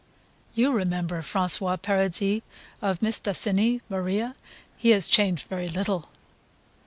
"You remember François Paradis of Mistassini, Maria? He has changed very little."